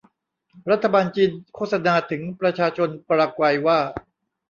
รัฐบาลจีนโฆษณาถึงประชาชนปารากวัยว่า